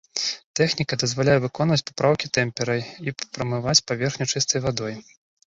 Тэхніка дазваляе выконваць папраўкі тэмперай і прамываць паверхню чыстай вадой.